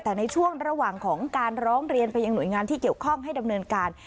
แต่ในช่วงระหว่างของการร้องเรียนไปยังหน่วยงานที่เกี่ยวข้องให้ดำเนินการ